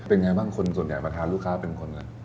เป็นไงบ้างคนส่วนใหญ่มาทานลูกค้าเป็นคนกัน